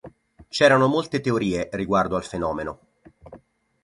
C'erano molte teorie riguardo al fenomeno.